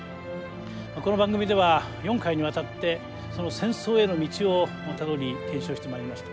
この番組では４回にわたってその戦争への道をたどり検証してまいりました。